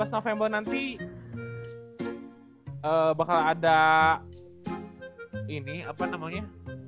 dua belas november nanti bakal ada ini apa namanya